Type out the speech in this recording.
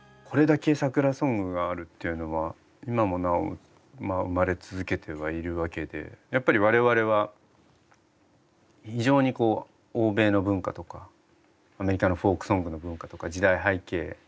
これだけ桜ソングがあるっていうのは今もなお生まれ続けてはいるわけでやっぱり我々は非常にこう欧米の文化とかアメリカのフォークソングの文化とか時代背景。